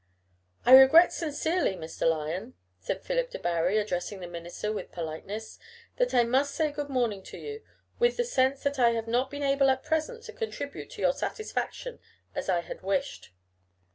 "I regret sincerely, Mr. Lyon," said Philip Debarry, addressing the minister with politeness, "that I must say good morning to you, with the sense that I have not been able at present to contribute to your satisfaction as I had wished."